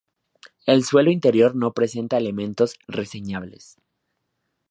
El suelo interior no presenta elementos reseñables.